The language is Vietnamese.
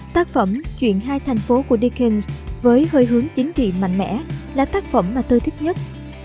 tác phẩm chuyện hai thành phố của dikings với hơi hướng chính trị mạnh mẽ là tác phẩm mà tôi thích nhất